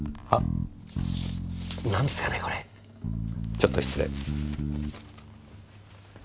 ちょっと失礼。